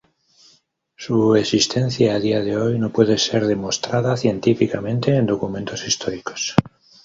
Su existencia, a día de hoy, no puede ser demostrada científicamente en documentos históricos.